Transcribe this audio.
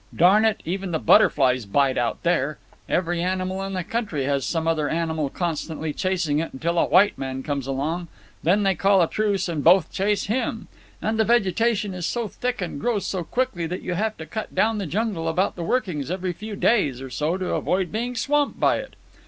Darn it! even the butterflies bite out there. Every animal in the country has some other animal constantly chasing it until a white man comes along, when they call a truce and both chase him. And the vegetation is so thick and grows so quickly that you have to cut down the jungle about the workings every few days or so to avoid being swamped by it.